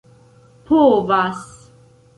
povas